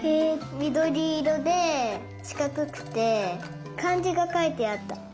みどりいろでしかくくてかんじがかいてあった。